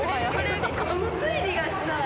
この推理がしたい。